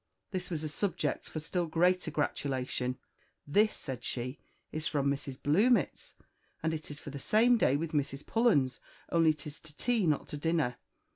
This was a subject for still greater gratulation. "This," said she, "is from Mrs. Bluemits, and it is for the same day with Mrs. Pullens, only it is to tea, not to dinner.